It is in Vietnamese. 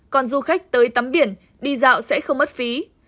còn du khách tới tắm biển đi dạo sẽ không mất phí